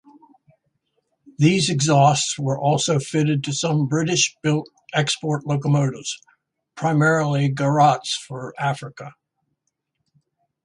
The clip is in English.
These exhausts were also fitted to some British-built export locomotives, primarily Garratts for Africa.